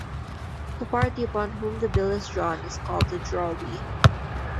The party upon whom the bill is drawn is called the drawee.